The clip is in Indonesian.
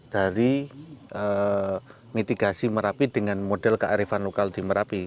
dari mitigasi merapi dengan model kearifan lokal di merapi